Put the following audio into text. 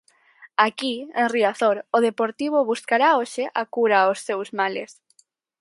Aquí, en Riazor, O Deportivo buscará hoxe a cura aos seus males.